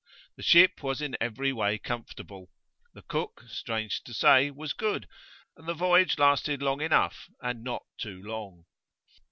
The ship was in every way comfortable; the cook, strange to say, was good, and the voyage lasted long enough, and not too long.